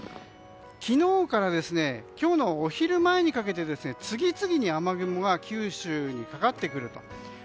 昨日から今日のお昼前にかけて次々に雨雲が九州にかかってくると。